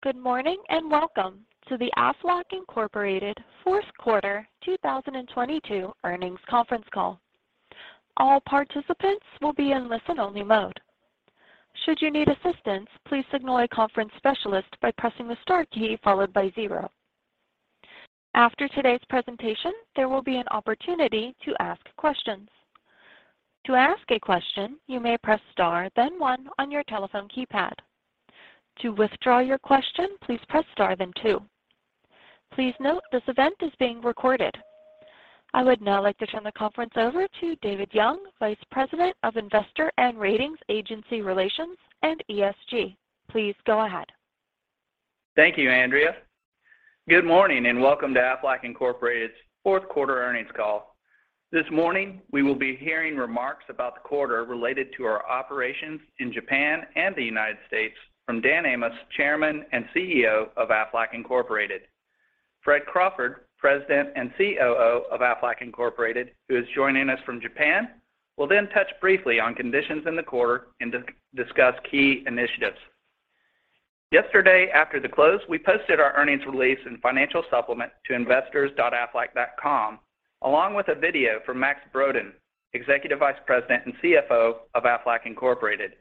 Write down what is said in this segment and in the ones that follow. Good morning, welcome to the Aflac Incorporated Fourth Quarter 2022 Earnings Conference Call. All participants will be in listen-only mode. Should you need assistance, please signal a conference specialist by pressing the star key followed by 0. After today's presentation, there will be an opportunity to ask questions. To ask a question, you may press star then 1 on your telephone keypad. To withdraw your question, please press star then 2. Please note this event is being recorded. I would now like to turn the conference over to David Young, Vice President of Investor and Ratings Agency Relations and ESG. Please go ahead. Thank you, Andrea. Good morning, welcome to Aflac Incorporated's fourth quarter earnings call. This morning, we will be hearing remarks about the quarter related to our operations in Japan and the United States from Dan Amos, Chairman and CEO of Aflac Incorporated. Fred Crawford, President and COO of Aflac Incorporated, who is joining us from Japan, will then touch briefly on conditions in the quarter and discuss key initiatives. Yesterday, after the close, we posted our earnings release and financial supplement to investors.aflac.com, along with a video from Max K. Brodén, Executive Vice President and CFO of Aflac Incorporated,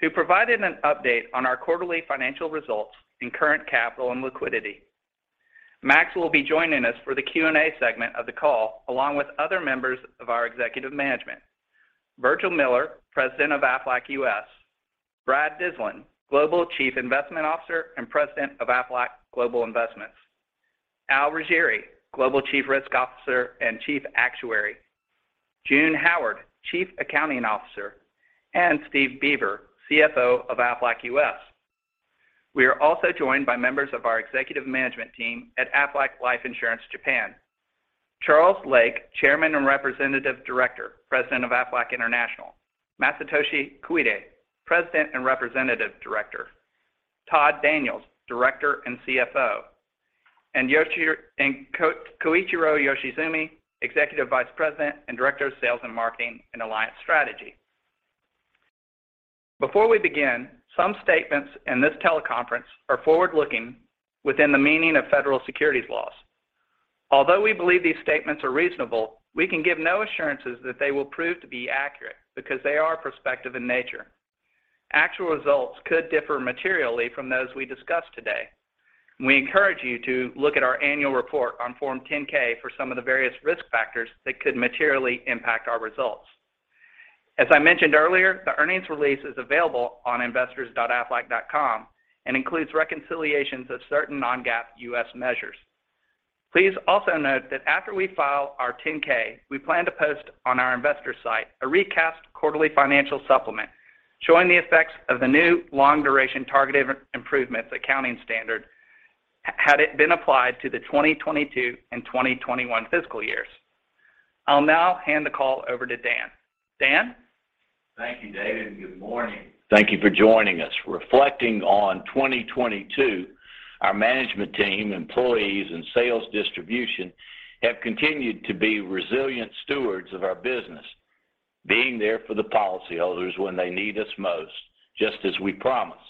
who provided an update on our quarterly financial results in current capital and liquidity. Max will be joining us for the Q&A segment of the call, along with other members of our executive management. Virgil R. Miller, President of Aflac U.S.; Bradley E. Dyslin, Global Chief Investment Officer and President of Aflac Global Investments; Albert Ruggieri, Global Chief Risk Officer and Chief Actuary; June P. Howard, Chief Accounting Officer, and Steven K. Beaver, CFO of Aflac U.S. We are also joined by members of our executive management team at Aflac Life Insurance Japan. Charles D. Lake II, Chairman and Representative Director, President of Aflac International, Masatoshi Koide, President and Representative Director, Todd Daniels, Director and CFO, and Koichiro Yoshizumi, Executive Vice President and Director of Sales and Marketing and Alliance Strategy. Before we begin, some statements in this teleconference are forward-looking within the meaning of federal securities laws. Although we believe these statements are reasonable, we can give no assurances that they will prove to be accurate because they are prospective in nature. Actual results could differ materially from those we discuss today, and we encourage you to look at our annual report on Form 10-K for some of the various risk factors that could materially impact our results. As I mentioned earlier, the earnings release is available on investors.aflac.com and includes reconciliations of certain non-GAAP U.S. measures. Please also note that after we file our 10-K, we plan to post on our investor site a recast quarterly financial supplement showing the effects of the new Long-Duration Targeted Improvements accounting standard had it been applied to the 2022 and 2021 fiscal years. I'll now hand the call over to Dan. Dan? Thank you, David. Good morning. Thank you for joining us. Reflecting on 2022, our management team, employees, and sales distribution have continued to be resilient stewards of our business, being there for the policyholders when they need us most, just as we promised.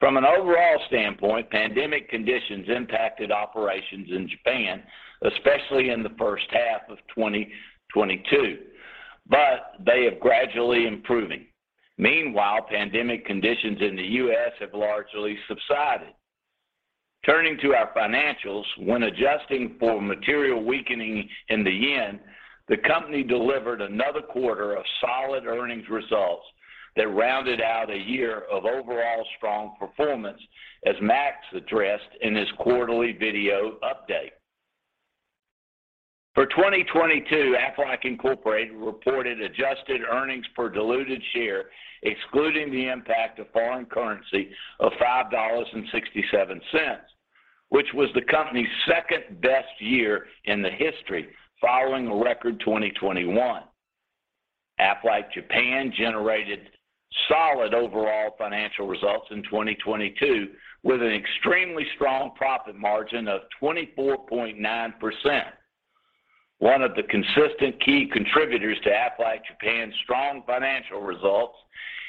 From an overall standpoint, pandemic conditions impacted operations in Japan, especially in the first half of 2022, but they are gradually improving. Meanwhile, pandemic conditions in the U.S. have largely subsided. Turning to our financials, when adjusting for material weakening in the yen, the company delivered another quarter of solid earnings results that rounded out a year of overall strong performance, as Max addressed in his quarterly video update. For 2022, Aflac Incorporated reported adjusted earnings per diluted share, excluding the impact of foreign currency, of $5.67, which was the company's second-best year in the history following a record 2021. Aflac Japan generated solid overall financial results in 2022, with an extremely strong profit margin of 24.9%. One of the consistent key contributors to Aflac Japan's strong financial results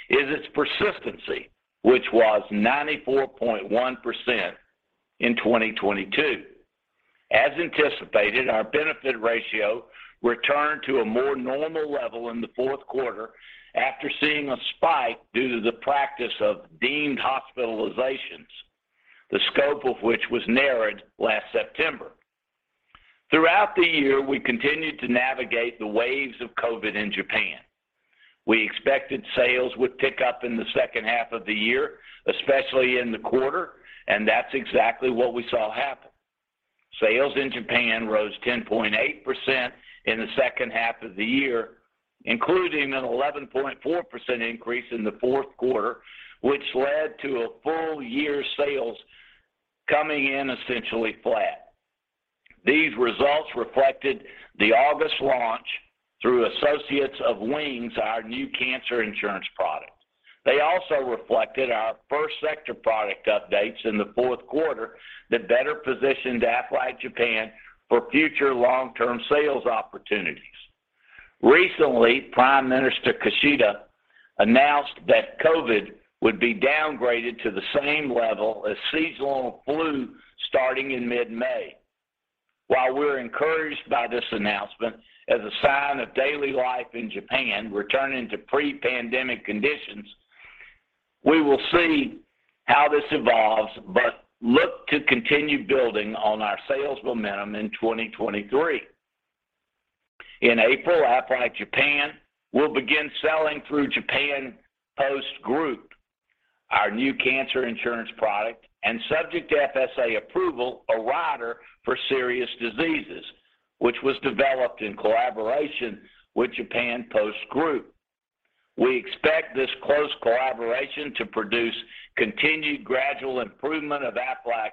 is its persistency, which was 94.1% in 2022. As anticipated, our benefit ratio returned to a more normal level in the fourth quarter after seeing a spike due to the practice of deemed hospitalizations, the scope of which was narrowed last September. Throughout the year, we continued to navigate the waves of COVID in Japan. We expected sales would pick up in the second half of the year, especially in the quarter, that's exactly what we saw happen. Sales in Japan rose 10.8% in the second half of the year, including an 11.4% increase in the 4th quarter, which led to a full-year sales coming in essentially flat. These results reflected the August launch through Associates of WINGS, our new cancer insurance product. They also reflected our first sector product updates in the 4th quarter that better positioned Aflac Japan for future long-term sales opportunities. Recently, Prime Minister Kishida announced that COVID would be downgraded to the same level as seasonal flu starting in mid-May. While we're encouraged by this announcement as a sign of daily life in Japan returning to pre-pandemic conditions, we will see how this evolves, but look to continue building on our sales momentum in 2023. In April, Aflac Japan will begin selling through Japan Post Group, our new cancer insurance product and subject to FSA approval, a rider for serious diseases, which was developed in collaboration with Japan Post Group. We expect this close collaboration to produce continued gradual improvement of Aflac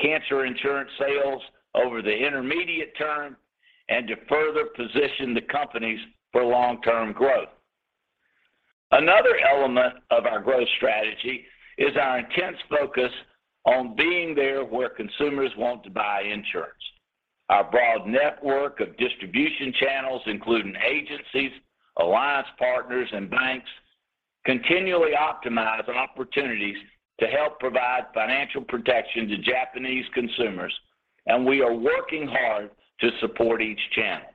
cancer insurance sales over the intermediate term and to further position the companies for long-term growth. Another element of our growth strategy is our intense focus on being there where consumers want to buy insurance. Our broad network of distribution channels, including agencies, alliance partners, and banks, continually optimize on opportunities to help provide financial protection to Japanese consumers, and we are working hard to support each channel.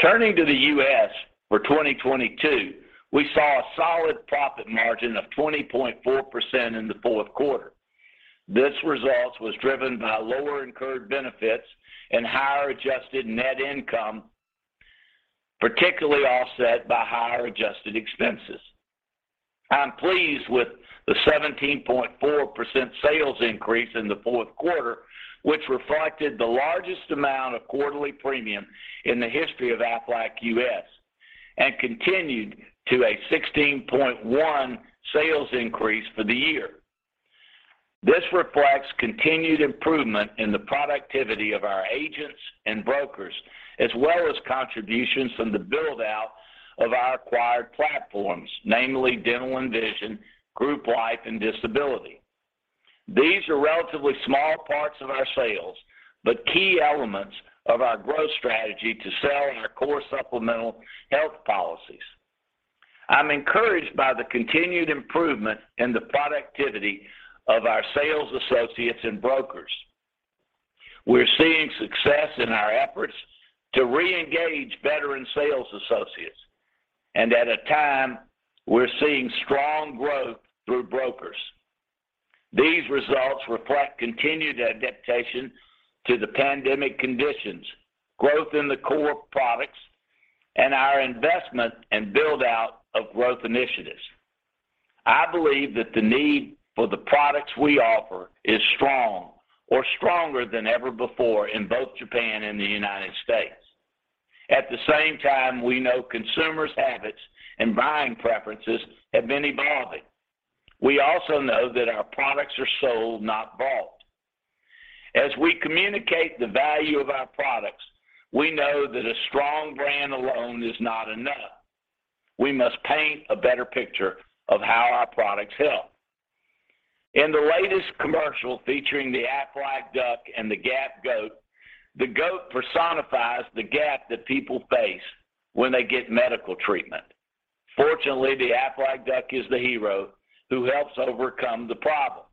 Turning to the U.S. for 2022, we saw a solid profit margin of 20.4% in the fourth quarter. This result was driven by lower incurred benefits and higher adjusted net income, particularly offset by higher adjusted expenses. I'm pleased with the 17.4% sales increase in the fourth quarter, which reflected the largest amount of quarterly premium in the history of Aflac U.S. and continued to a 16.1% sales increase for the year. This reflects continued improvement in the productivity of our agents and brokers, as well as contributions from the build-out of our acquired platforms, namely dental and vision, group life, and disability. These are relatively small parts of our sales, but key elements of our growth strategy to sell in our core supplemental health policies. I'm encouraged by the continued improvement in the productivity of our sales associates and brokers. We're seeing success in our efforts to reengage veteran sales associates, and at a time, we're seeing strong growth through brokers. These results reflect continued adaptation to the pandemic conditions, growth in the core products, and our investment and build-out of growth initiatives. I believe that the need for the products we offer is strong or stronger than ever before in both Japan and the United States. At the same time, we know consumers' habits and buying preferences have been evolving. We also know that our products are sold, not bought. As we communicate the value of our products, we know that a strong brand alone is not enough. We must paint a better picture of how our products help. In the latest commercial featuring the Aflac Duck and the Gap Goat, the goat personifies the gap that people face when they get medical treatment. Fortunately, the Aflac Duck is the hero who helps overcome the problem.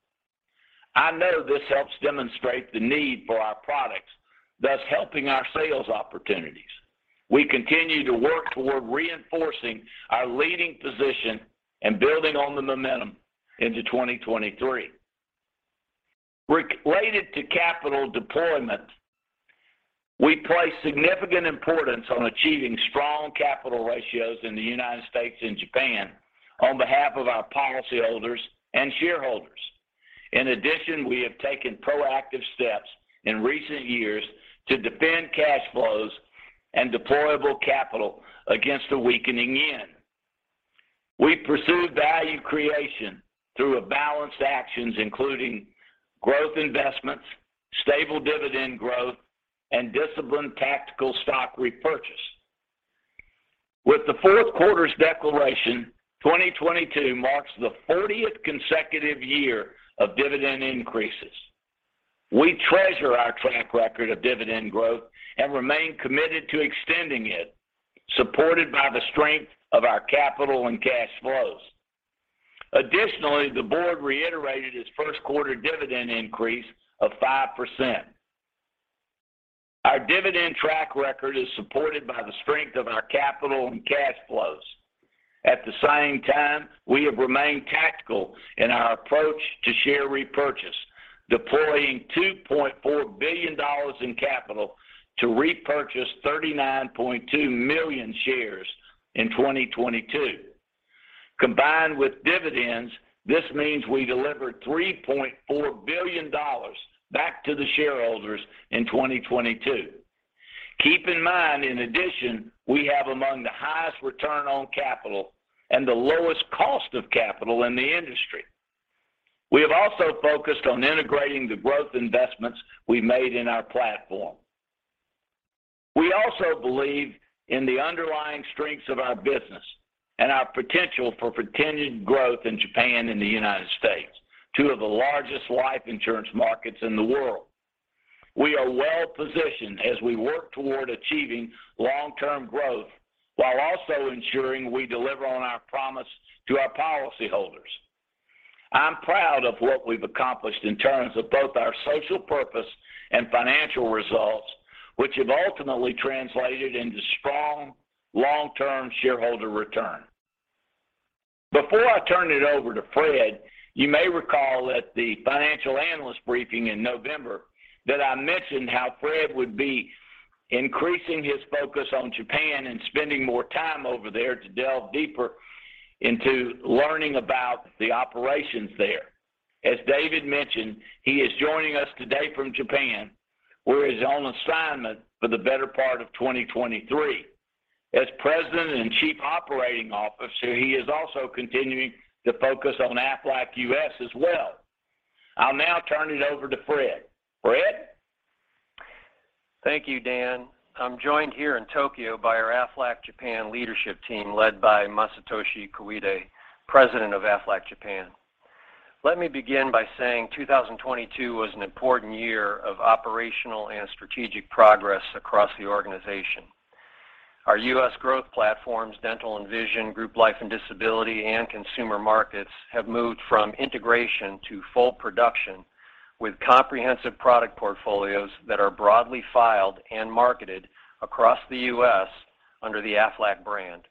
I know this helps demonstrate the need for our products, thus helping our sales opportunities. We continue to work toward reinforcing our leading position and building on the momentum into 2023. Related to capital deployment, we place significant importance on achieving strong capital ratios in the United States and Japan on behalf of our policyholders and shareholders. In addition, we have taken proactive steps in recent years to defend cash flows and deployable capital against the weakening yen. We pursue value creation through a balanced actions, including growth investments, stable dividend growth, and disciplined tactical stock repurchase. With the fourth quarter's declaration, 2022 marks the 40th consecutive year of dividend increases. We treasure our track record of dividend growth and remain committed to extending it, supported by the strength of our capital and cash flows. Additionally, the board reiterated its 1st quarter dividend increase of 5%. Our dividend track record is supported by the strength of our capital and cash flows. At the same time, we have remained tactical in our approach to share repurchase, deploying $2.4 billion in capital to repurchase 39.2 million shares in 2022. Combined with dividends, this means we delivered $3.4 billion back to the shareholders in 2022. Keep in mind, in addition, we have among the highest return on capital and the lowest cost of capital in the industry. We have also focused on integrating the growth investments we made in our platform. We also believe in the underlying strengths of our business. Our potential for continued growth in Japan and the United States, two of the largest life insurance markets in the world. We are well positioned as we work toward achieving long-term growth while also ensuring we deliver on our promise to our policyholders. I'm proud of what we've accomplished in terms of both our social purpose and financial results, which have ultimately translated into strong long-term shareholder return. Before I turn it over to Fred, you may recall at the financial analyst briefing in November that I mentioned how Fred would be increasing his focus on Japan and spending more time over there to delve deeper into learning about the operations there. As David mentioned, he is joining us today from Japan, where he's on assignment for the better part of 2023. As President and Chief Operating Officer, he is also continuing to focus on Aflac U.S. as well. I'll now turn it over to Fred. Fred? Thank you, Dan. I'm joined here in Tokyo by our Aflac Japan leadership team, led by Masatoshi Koide, President of Aflac Japan. Let me begin by saying 2022 was an important year of operational and strategic progress across the organization. Our U.S. growth platforms, dental and vision, group life and disability and consumer markets have moved from integration to full production with comprehensive product portfolios that are broadly filed and marketed across the U.S. under the Aflac brand.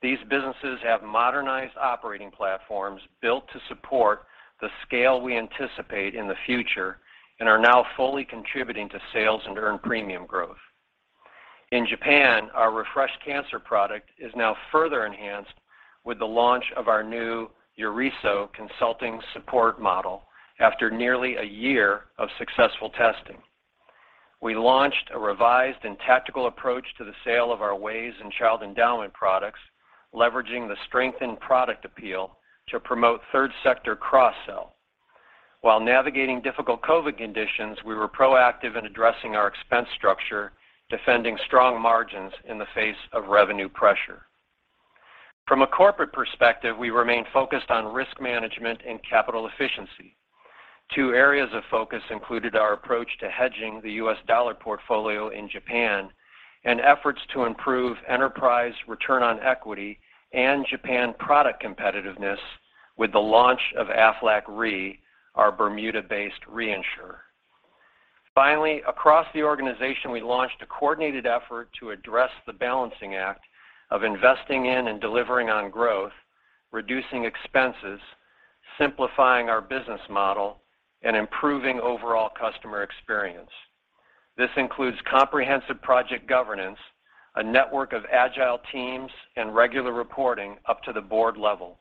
These businesses have modernized operating platforms built to support the scale we anticipate in the future and are now fully contributing to sales and earned premium growth. In Japan, our refreshed cancer product is now further enhanced with the launch of our new Yorisou consulting support model after nearly a year of successful testing. We launched a revised and tactical approach to the sale of our WAYS and Child Endowment products, leveraging the strengthened product appeal to promote third sector cross-sell. While navigating difficult COVID conditions, we were proactive in addressing our expense structure, defending strong margins in the face of revenue pressure. From a corporate perspective, we remain focused on risk management and capital efficiency. Two areas of focus included our approach to hedging the U.S. dollar portfolio in Japan and efforts to improve enterprise return on equity and Japan product competitiveness with the launch of Aflac Re, our Bermuda-based reinsurer. Across the organization, we launched a coordinated effort to address the balancing act of investing in and delivering on growth, reducing expenses, simplifying our business model and improving overall customer experience. This includes comprehensive project governance, a network of agile teams and regular reporting up to the board level.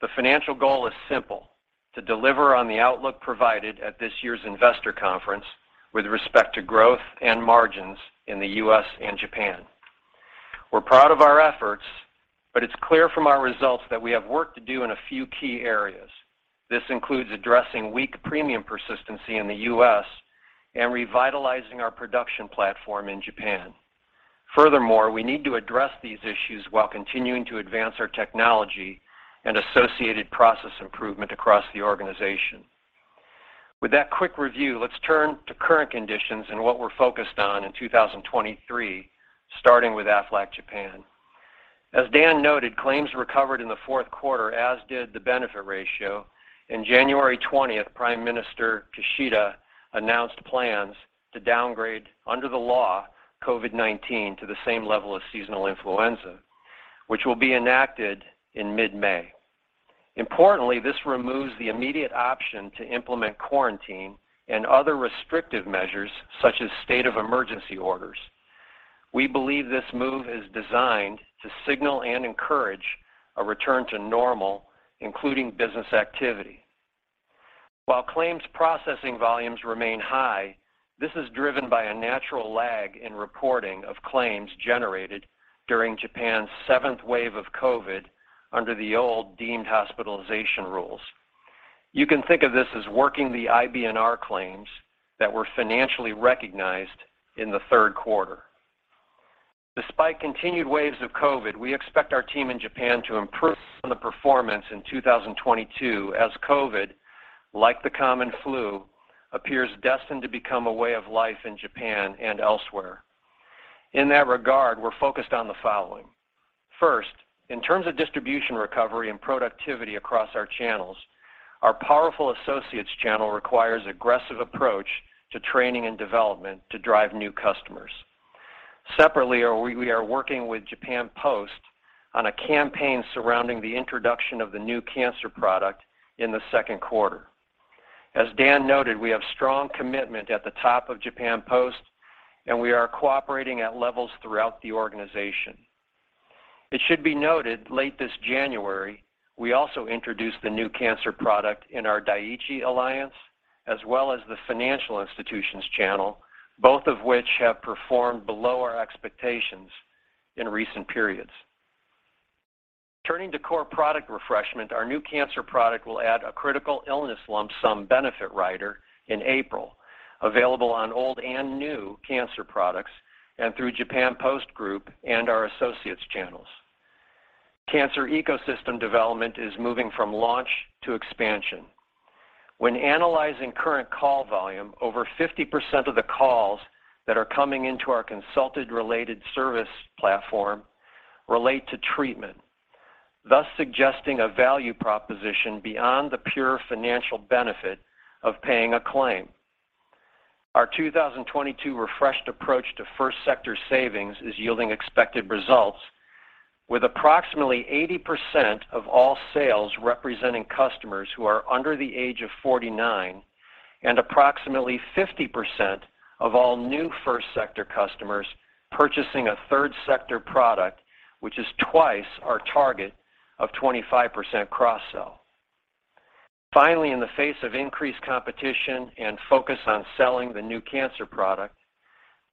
The financial goal is simple, to deliver on the outlook provided at this year's investor conference with respect to growth and margins in the U.S. and Japan. We're proud of our efforts, but it's clear from our results that we have work to do in a few key areas. This includes addressing weak premium persistency in the U.S. and revitalizing our production platform in Japan. Furthermore, we need to address these issues while continuing to advance our technology and associated process improvement across the organization. With that quick review, let's turn to current conditions and what we're focused on in 2023, starting with Aflac Japan. As Dan noted, claims recovered in the fourth quarter, as did the benefit ratio. In January 20th, Prime Minister Kishida announced plans to downgrade under the law COVID-19 to the same level as seasonal influenza, which will be enacted in mid-May. Importantly, this removes the immediate option to implement quarantine and other restrictive measures such as state of emergency orders. We believe this move is designed to signal and encourage a return to normal, including business activity. While claims processing volumes remain high, this is driven by a natural lag in reporting of claims generated during Japan's seventh wave of COVID under the old deemed hospitalization rules. You can think of this as working the IBNR claims that were financially recognized in the third quarter. Despite continued waves of COVID, we expect our team in Japan to improve on the performance in 2022 as COVID, like the common flu, appears destined to become a way of life in Japan and elsewhere. In that regard, we're focused on the following. First, in terms of distribution recovery and productivity across our channels, our powerful associates channel requires aggressive approach to training and development to drive new customers. Separately, we are working with Japan Post on a campaign surrounding the introduction of the new cancer product in the second quarter. As Dan noted, we have strong commitment at the top of Japan Post, and we are cooperating at levels throughout the organization. It should be noted late this January, we also introduced the new cancer product in our Dai-ichi alliance, as well as the financial institutions channel, both of which have performed below our expectations in recent periods. Turning to core product refreshment, our new cancer product will add a critical illness lump sum benefit rider in April, available on old and new cancer products and through Japan Post Group and our associates channels. Cancer ecosystem development is moving from launch to expansion. When analyzing current call volume, over 50% of the calls that are coming into our consulted related service platform relate to treatment, thus suggesting a value proposition beyond the pure financial benefit of paying a claim. Our 2022 refreshed approach to first sector savings is yielding expected results with approximately 80% of all sales representing customers who are under the age of 49 and approximately 50% of all new first sector customers purchasing a third sector product, which is twice our target of 25% cross-sell. Finally, in the face of increased competition and focus on selling the new cancer product,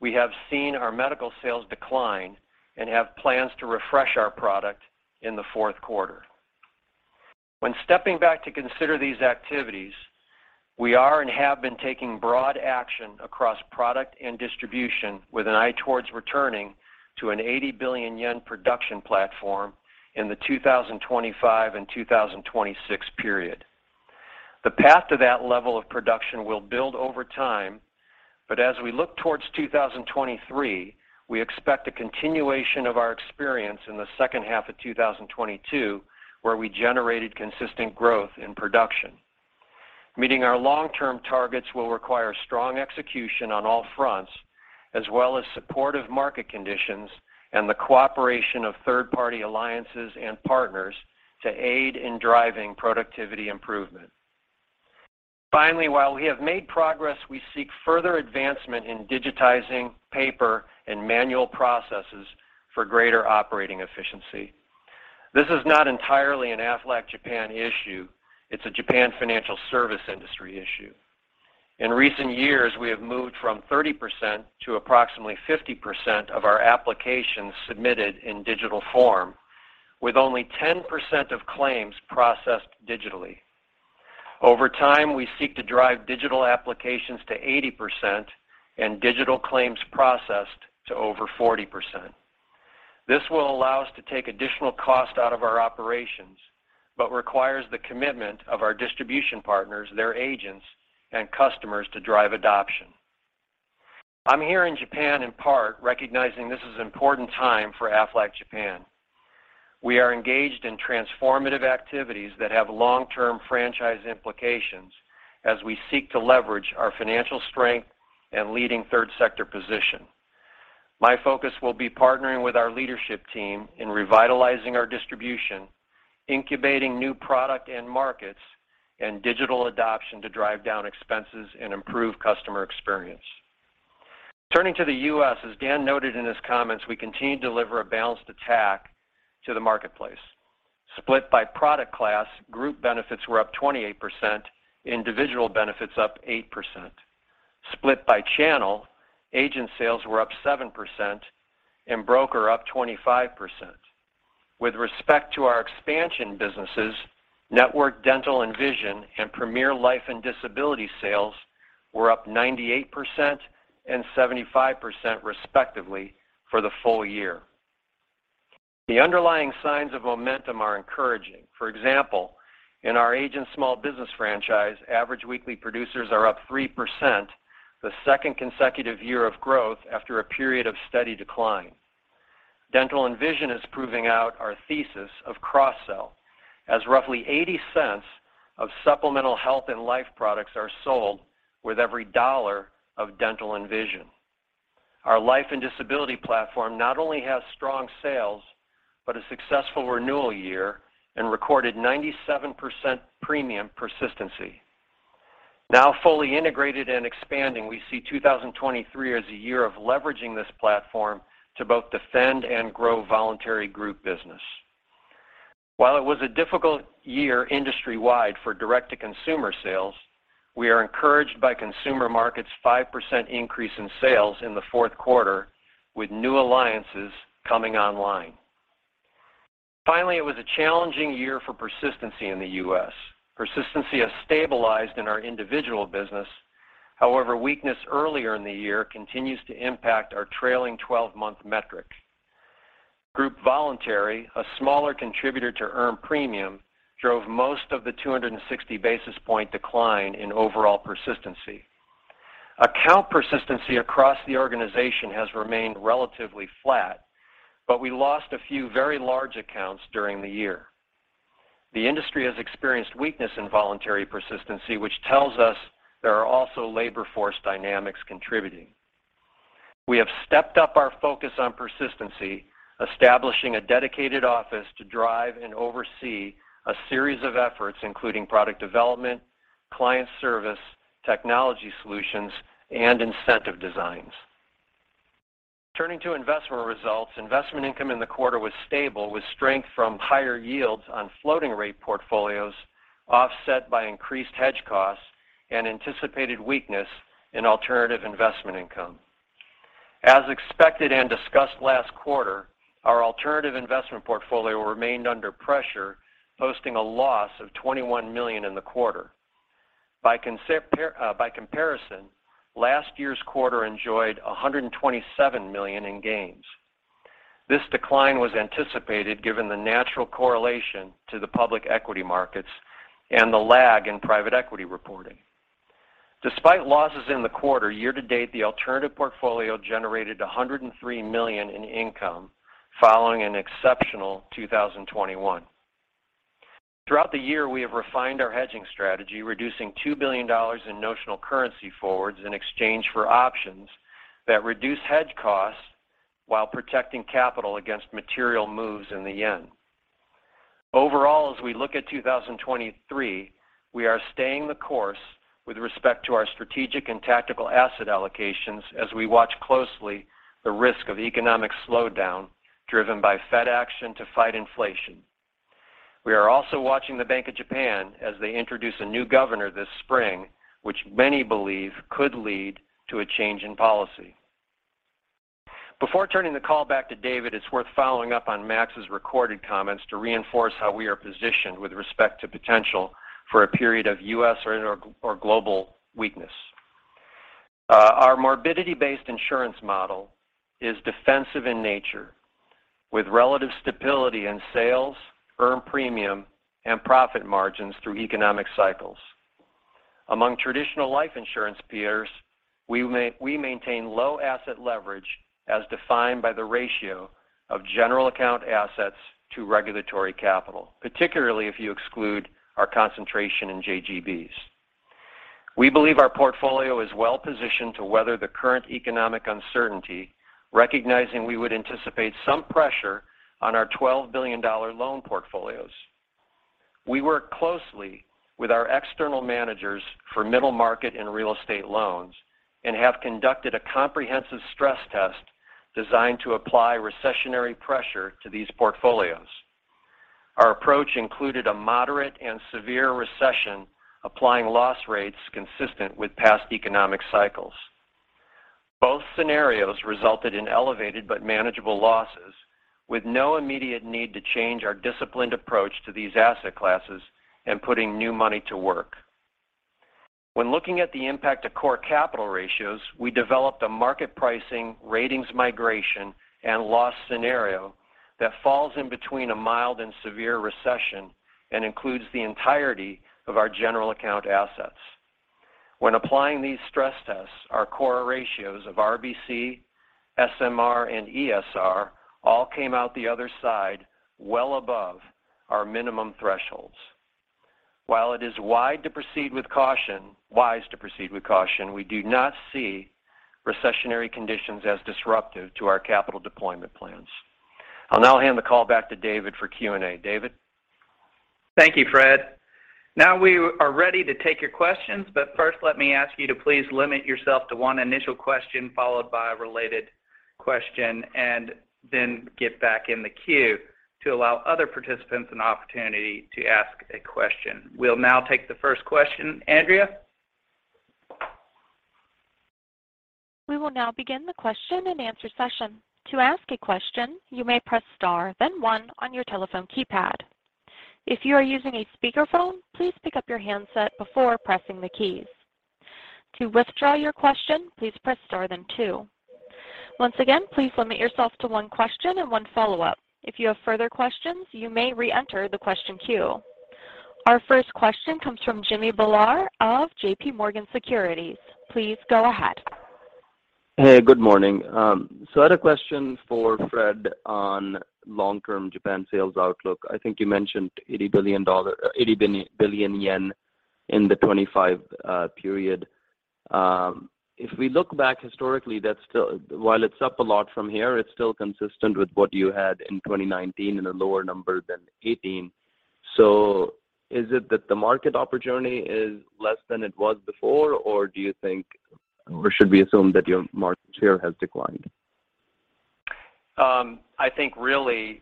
we have seen our medical sales decline and have plans to refresh our product in the fourth quarter. When stepping back to consider these activities, we are and have been taking broad action across product and distribution with an eye towards returning to a 80 billion yen production platform in the 2025 and 2026 period. The path to that level of production will build over time. As we look towards 2023, we expect a continuation of our experience in the second half of 2022, where we generated consistent growth in production. Meeting our long-term targets will require strong execution on all fronts as well as supportive market conditions and the cooperation of third-party alliances and partners to aid in driving productivity improvement. While we have made progress, we seek further advancement in digitizing paper and manual processes for greater operating efficiency. This is not entirely an Aflac Japan issue, it's a Japan financial service industry issue. In recent years, we have moved from 30% to approximately 50% of our applications submitted in digital form, with only 10% of claims processed digitally. Over time, we seek to drive digital applications to 80% and digital claims processed to over 40%. This will allow us to take additional cost out of our operations, but requires the commitment of our distribution partners, their agents, and customers to drive adoption. I'm here in Japan in part recognizing this is an important time for Aflac Japan. We are engaged in transformative activities that have long-term franchise implications as we seek to leverage our financial strength and leading third sector position. My focus will be partnering with our leadership team in revitalizing our distribution, incubating new product and markets, and digital adoption to drive down expenses and improve customer experience. Turning to the U.S., as Dan noted in his comments, we continue to deliver a balanced attack to the marketplace. Split by product class, group benefits were up 28%, individual benefits up 8%. Split by channel, agent sales were up 7% and broker up 25%. With respect to our expansion businesses, network dental and vision and premier life and disability sales were up 98% and 75% respectively for the full year. The underlying signs of momentum are encouraging. For example, in our agent small business franchise, average weekly producers are up 3%, the second consecutive year of growth after a period of steady decline. Dental and vision is proving out our thesis of cross-sell as roughly $0.80 of supplemental health and life products are sold with every $1 of dental and vision. Our life and disability platform not only has strong sales, but a successful renewal year and recorded 97% premium persistency. Now fully integrated and expanding, we see 2023 as a year of leveraging this platform to both defend and grow voluntary group business. While it was a difficult year industry-wide for direct-to-consumer sales, we are encouraged by consumer markets' 5% increase in sales in the fourth quarter with new alliances coming online. Finally, it was a challenging year for persistency in the U.S. Persistency has stabilized in our individual business. However, weakness earlier in the year continues to impact our trailing twelve-month metric. Group voluntary, a smaller contributor to earned premium, drove most of the 260 basis point decline in overall persistency. Account persistency across the organization has remained relatively flat, but we lost a few very large accounts during the year. The industry has experienced weakness in voluntary persistency, which tells us there are also labor force dynamics contributing. We have stepped up our focus on persistency, establishing a dedicated office to drive and oversee a series of efforts, including product development, client service, technology solutions, and incentive designs. Turning to investment results, investment income in the quarter was stable with strength from higher yields on floating rate portfolios offset by increased hedge costs and anticipated weakness in alternative investment income. As expected and discussed last quarter, our alternative investment portfolio remained under pressure, posting a loss of $21 million in the quarter. By comparison, last year's quarter enjoyed $127 million in gains. This decline was anticipated given the natural correlation to the public equity markets and the lag in private equity reporting. Despite losses in the quarter, year-to-date, the alternative portfolio generated $103 million in income following an exceptional 2021. Throughout the year, we have refined our hedging strategy, reducing $2 billion in notional currency forwards in exchange for options that reduce hedge costs while protecting capital against material moves in the yen. Overall, as we look at 2023, we are staying the course with respect to our strategic and tactical asset allocations as we watch closely the risk of economic slowdown driven by Fed action to fight inflation. We are also watching the Bank of Japan as they introduce a new governor this spring, which many believe could lead to a change in policy. Before turning the call back to David, it's worth following up on Max's recorded comments to reinforce how we are positioned with respect to potential for a period of U.S. or global weakness. Our morbidity-based insurance model is defensive in nature, with relative stability in sales, earned premium, and profit margins through economic cycles. Among traditional life insurance peers, we maintain low asset leverage as defined by the ratio of general account assets to regulatory capital, particularly if you exclude our concentration in JGBs. We believe our portfolio is well-positioned to weather the current economic uncertainty, recognizing we would anticipate some pressure on our $12 billion loan portfolios. We work closely with our external managers for middle market and real estate loans and have conducted a comprehensive stress test designed to apply recessionary pressure to these portfolios. Our approach included a moderate and severe recession applying loss rates consistent with past economic cycles. Both scenarios resulted in elevated but manageable losses with no immediate need to change our disciplined approach to these asset classes and putting new money to work. When looking at the impact to core capital ratios, we developed a market pricing, ratings migration, and loss scenario that falls in between a mild and severe recession and includes the entirety of our general account assets. When applying these stress tests, our core ratios of RBC, SMR, and ESR all came out the other side well above our minimum thresholds. While it is wise to proceed with caution, we do not see recessionary conditions as disruptive to our capital deployment plans. I'll now hand the call back to David for Q&A. David? Thank you, Fred. Now we are ready to take your questions, first let me ask you to please limit yourself to one initial question followed by a related question and then get back in the queue to allow other participants an opportunity to ask a question. We'll now take the first question. Andrea? We will now begin the question and answer session. To ask a question, you may press star then one on your telephone keypad. If you are using a speakerphone, please pick up your handset before pressing the keys. To withdraw your question, please press star then two. Once again, please limit yourself to one question and one follow-up. If you have further questions, you may re-enter the question queue. Our first question comes from Jimmy Bhullar of JPMorgan Securities. Please go ahead. Hey, good morning. I had a question for Fred Crawford on long-term Japan sales outlook. I think you mentioned 80 billion JPY in the 2025 period. If we look back historically, that's still while it's up a lot from here, it's still consistent with what you had in 2019 and a lower number than 2018. Is it that the market opportunity is less than it was before, or do you think, or should we assume that your market share has declined? I think really.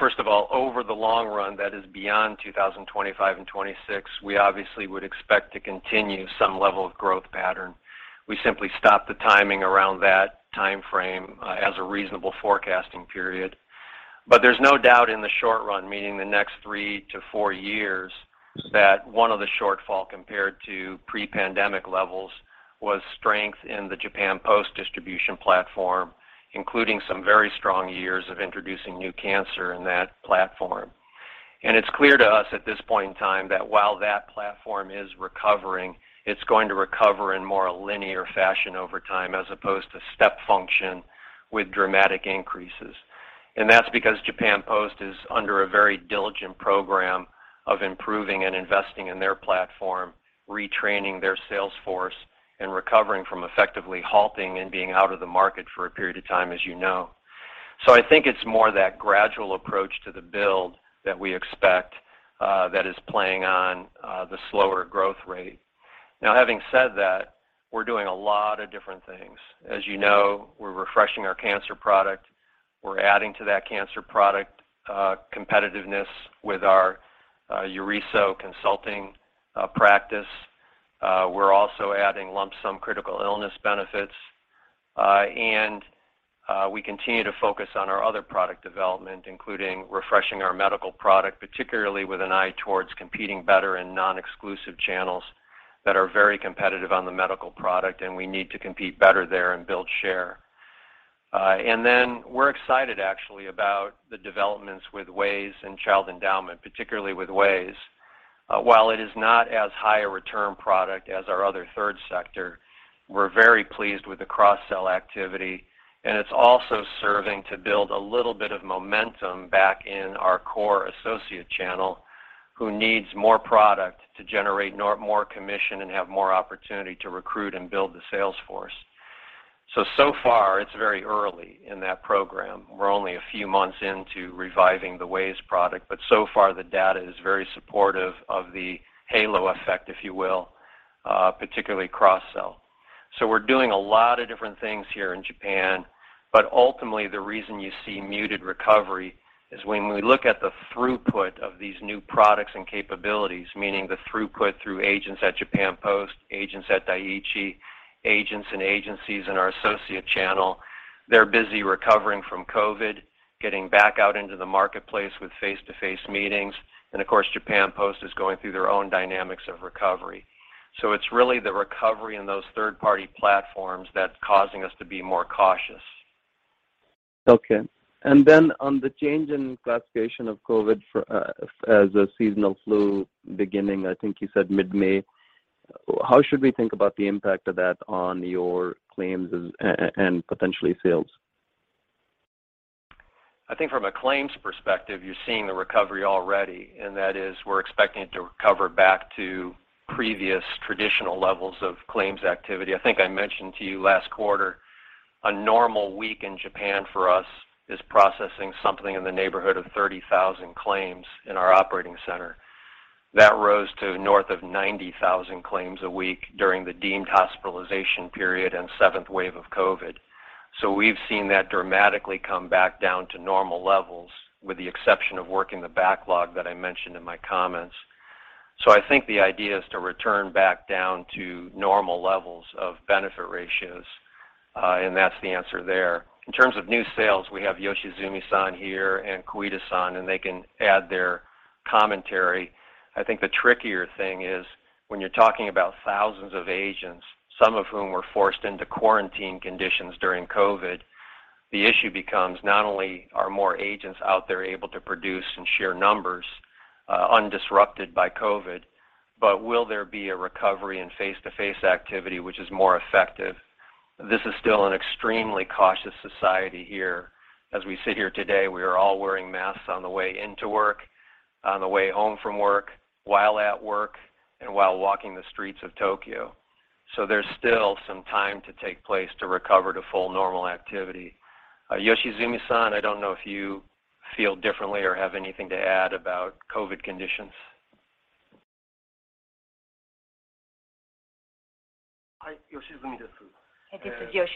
First of all, over the long run, that is beyond 2025 and 26, we obviously would expect to continue some level of growth pattern. We simply stopped the timing around that timeframe as a reasonable forecasting period. There's no doubt in the short run, meaning the next 3-4 years, that one of the shortfall compared to pre-pandemic levels was strength in the Japan Post distribution platform, including some very strong years of introducing new cancer in that platform. It's clear to us at this point in time that while that platform is recovering, it's going to recover in more a linear fashion over time as opposed to step function with dramatic increases. That's because Japan Post is under a very diligent program of improving and investing in their platform, retraining their sales force, and recovering from effectively halting and being out of the market for a period of time, as you know. I think it's more that gradual approach to the build that we expect that is playing on the slower growth rate. Having said that, we're doing a lot of different things. As you know, we're refreshing our cancer product. We're adding to that cancer product competitiveness with our Yorisou consulting practice. We're also adding lump sum critical illness benefits. We continue to focus on our other product development, including refreshing our medical product, particularly with an eye towards competing better in non-exclusive channels that are very competitive on the medical product, and we need to compete better there and build share. We're excited actually about the developments with WAYS and Child Endowment, particularly with WAYS. While it is not as high a return product as our other third sector, we're very pleased with the cross-sell activity, and it's also serving to build a little bit of momentum back in our core associate channel, who needs more product to generate more commission and have more opportunity to recruit and build the sales force. So far, it's very early in that program. We're only a few months into reviving the WAYS product, but so far the data is very supportive of the halo effect, if you will, particularly cross-sell. We're doing a lot of different things here in Japan, but ultimately the reason you see muted recovery is when we look at the throughput of these new products and capabilities, meaning the throughput through agents at Japan Post, agents at Dai-ichi, agents and agencies in our associate channel, they're busy recovering from COVID, getting back out into the marketplace with face-to-face meetings. Of course, Japan Post is going through their own dynamics of recovery. It's really the recovery in those third-party platforms that's causing us to be more cautious. Okay. Then on the change in classification of COVID for, as a seasonal flu beginning, I think you said mid-May, how should we think about the impact of that on your claims as and potentially sales? I think from a claims perspective, you're seeing the recovery already. That is we're expecting it to recover back to previous traditional levels of claims activity. I think I mentioned to you last quarter, a normal week in Japan for us is processing something in the neighborhood of 30,000 claims in our operating center. That rose to north of 90,000 claims a week during the deemed hospitalization period and seventh wave of COVID. We've seen that dramatically come back down to normal levels, with the exception of working the backlog that I mentioned in my comments. I think the idea is to return back down to normal levels of benefit ratios. That's the answer there. In terms of new sales, we have Yoshizumi-san here and Koide-san. They can add their commentary. I think the trickier thing is when you're talking about thousands of agents, some of whom were forced into quarantine conditions during COVID, the issue becomes not only are more agents out there able to produce and share numbers, undisrupted by COVID, but will there be a recovery in face-to-face activity which is more effective? This is still an extremely cautious society here. As we sit here today, we are all wearing masks on the way into work, on the way home from work, while at work, and while walking the streets of Tokyo. There's still some time to take place to recover to full normal activity. Yoshizumi-san, I don't know if you feel differently or have anything to add about COVID conditions. Hi, Yoshizumi. This is Yoshizumi. Well, first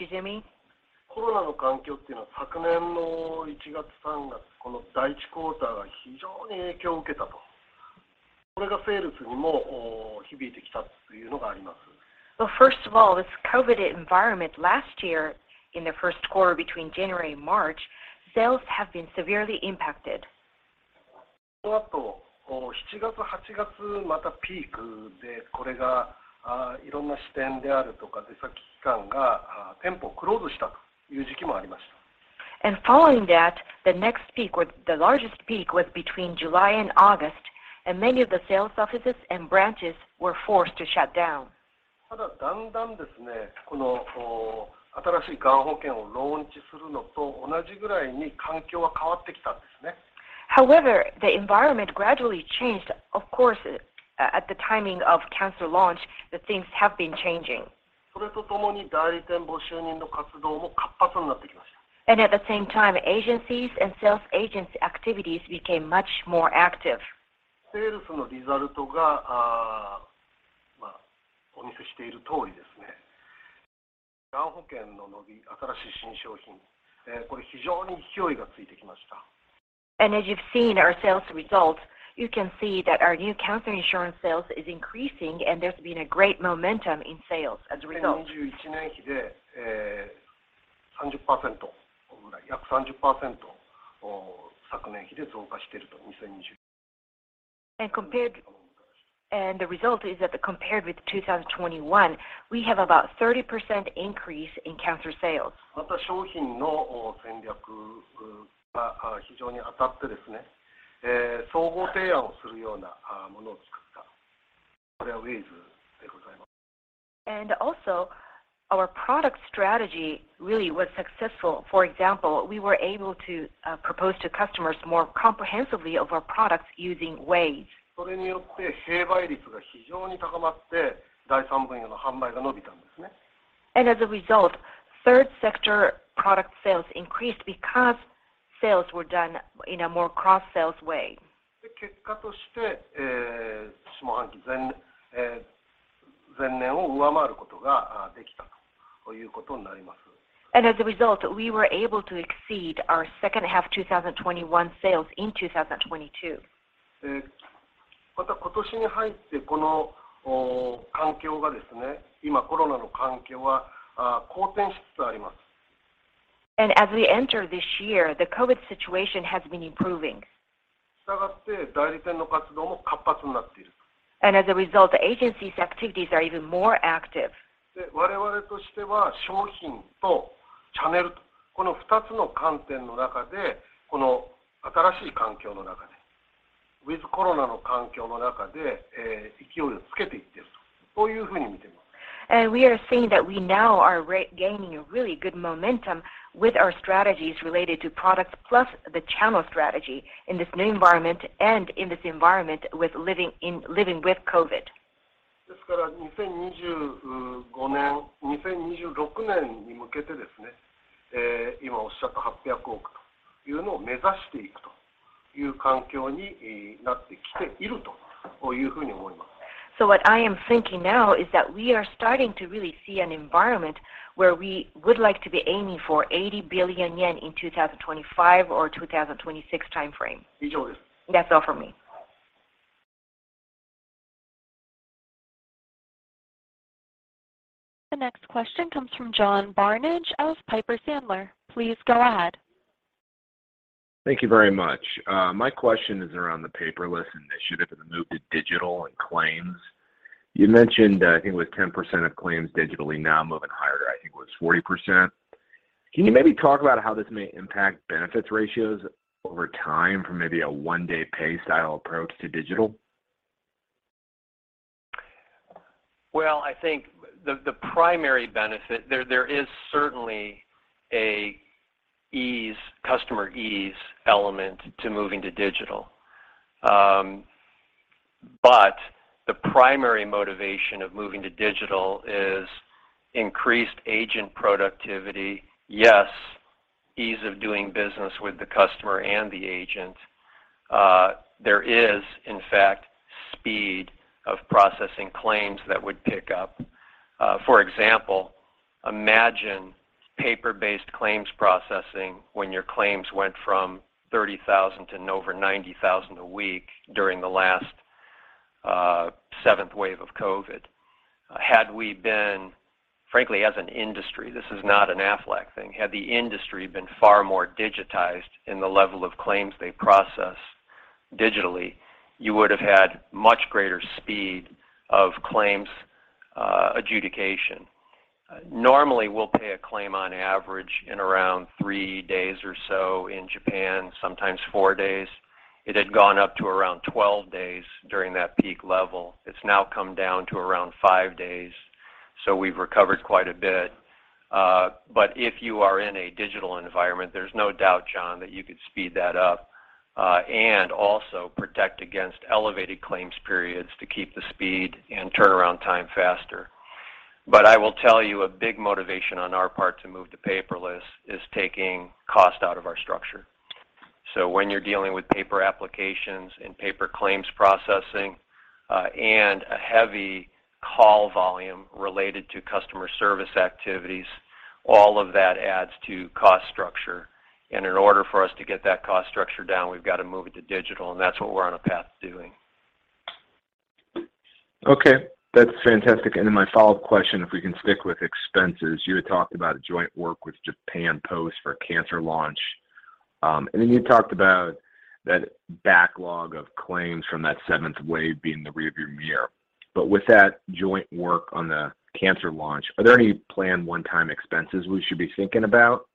of all, this COVID environment last year in the first quarter between January and March, sales have been severely impacted. Following that, the largest peak was between July and August, and many of the sales offices and branches were forced to shut down. However, the environment gradually changed. Of course, at the timing of cancer launch, the things have been changing. At the same time, agencies and sales agents activities became much more active. As you've seen our sales results, you can see that our new cancer insurance sales is increasing, and there's been a great momentum in sales as a result. The result is that compared with 2021, we have about 30% increase in cancer sales. Also our product strategy really was successful. For example, we were able to propose to customers more comprehensively of our products using WAYS. As a result, third sector product sales increased because sales were done in a more cross-sales way. As a result, we were able to exceed our second half 2021 sales in 2022. As we enter this year, the COVID situation has been improving. As a result, the agency's activities are even more active. We are seeing that we now are re-gaining a really good momentum with our strategies related to products plus the channel strategy in this new environment and in this environment with living with COVID. What I am thinking now is that we are starting to really see an environment where we would like to be aiming for 80 billion yen in 2025 or 2026 timeframe. That's all for me. The next question comes from John Barnidge of Piper Sandler. Please go ahead. Thank you very much. My question is around the paperless initiative and the move to digital and claims. You mentioned, I think it was 10% of claims digitally now moving higher to I think it was 40%. Can you maybe talk about how this may impact benefits ratios over time from maybe a 1 day pay style approach to digital? Well, I think the primary benefit there is certainly a ease, customer ease element to moving to digital. The primary motivation of moving to digital is increased agent productivity. Yes, ease of doing business with the customer and the agent. There is in fact speed of processing claims that would pick up. For example, imagine paper-based claims processing when your claims went from 30,000 to over 90,000 a week during the last seventh wave of COVID. Had we been, frankly, as an industry, this is not an Aflac thing. Had the industry been far more digitized in the level of claims they process digitally, you would've had much greater speed of claims adjudication. Normally, we'll pay a claim on average in around three days or so in Japan, sometimes four days. It had gone up to around 12 days during that peak level. It's now come down to around 5 days, so we've recovered quite a bit. If you are in a digital environment, there's no doubt, John, that you could speed that up, and also protect against elevated claims periods to keep the speed and turnaround time faster. I will tell you, a big motivation on our part to move to paperless is taking cost out of our structure. When you're dealing with paper applications and paper claims processing, and a heavy call volume related to customer service activities, all of that adds to cost structure. In order for us to get that cost structure down, we've got to move it to digital, and that's what we're on a path to doing. That's fantastic. My follow-up question, if we can stick with expenses, you had talked about joint work with Japan Post for a cancer launch. Then you talked about that backlog of claims from that seventh wave being in the rear-view mirror. With that joint work on the cancer launch, are there any planned one-time expenses we should be thinking about?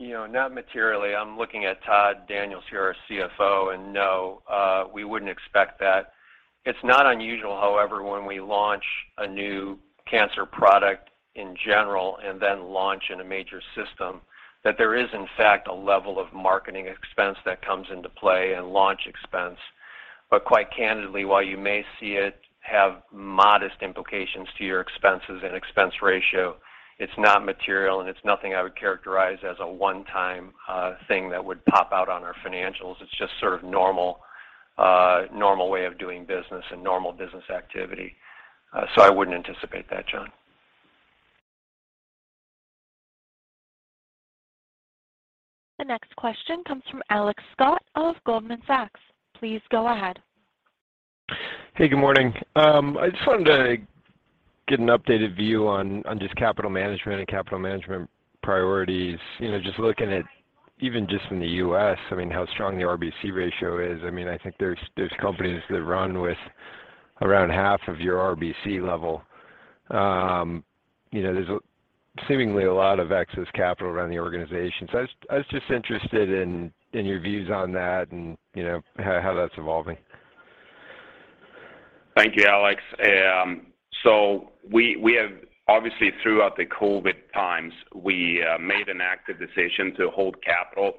You know, not materially. I'm looking at Todd Daniels here, our CFO, and no, we wouldn't expect that. It's not unusual, however, when we launch a new cancer product in general and then launch in a major system, that there is in fact a level of marketing expense that comes into play and launch expense. Quite candidly, while you may see it have modest implications to your expenses and expense ratio, it's not material, and it's nothing I would characterize as a one-time thing that would pop out on our financials. It's just sort of normal way of doing business and normal business activity. I wouldn't anticipate that, John. The next question comes from Alex Scott of Goldman Sachs. Please go ahead. Hey, good morning. I just wanted to get an updated view on just capital management and capital management priorities. You know, just looking at even just in the U.S., I mean, how strong the RBC ratio is. I mean, I think there's companies that run with around half of your RBC level. You know, there's a seemingly a lot of excess capital around the organization. I was just interested in your views on that and, you know, how that's evolving. Thank you, Alex. We, we have obviously throughout the COVID times, we made an active decision to hold capital